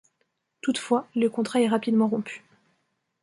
Toutefois, le contrat est rapidement rompu.